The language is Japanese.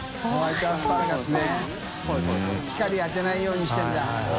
当てないようにしてるんだ。